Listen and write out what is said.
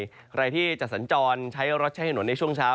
อะไรที่จะสัญจรรถใช้บินหนะในช่วงเช้า